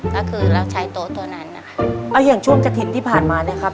ก็คือเราใช้โต๊ะตัวนั้นนะคะเอาอย่างช่วงกระถิ่นที่ผ่านมานะครับ